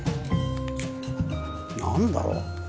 何だろう。